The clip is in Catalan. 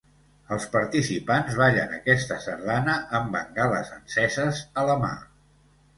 Els participants ballen aquesta sardana amb bengales enceses a la mà.